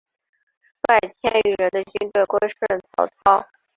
率千余人的军队归顺曹操。